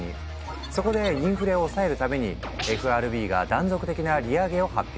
そこでインフレを抑えるためにＦＲＢが断続的な利上げを発表。